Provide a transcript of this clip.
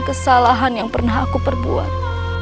kesalahan yang pernah aku perbuat